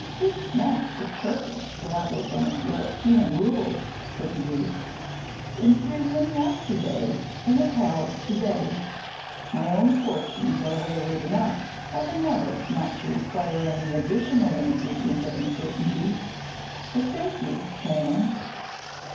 "This smacks of Turkish rather than of European rule," said the youth. "In prison yesterday, in a palace to day. My own fortunes are wayward enough, Heaven knows, not to require any additional ingredient of uncertainty. What think you, Traynor?"